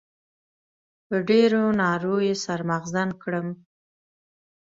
په ډېرو نارو يې سر مغزن کړم.